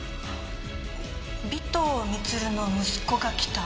「尾藤充の息子が来た」